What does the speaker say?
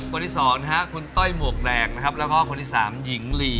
คนที่สองนะฮะคุณต้อยหมวกแดงนะครับแล้วก็คนที่๓หญิงลี